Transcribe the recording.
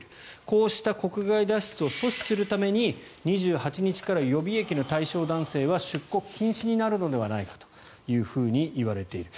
こうした国外脱出を阻止するため２８日から予備役の対象男性は出国禁止になるのではないかというふうにいわれている。